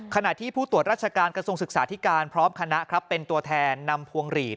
ขณะที่ผู้ตรวจราชการกระทรวงศึกษาธิการพร้อมคณะครับเป็นตัวแทนนำพวงหลีด